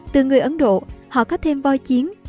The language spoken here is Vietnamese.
từ người ấn độ họ có thêm voi chiến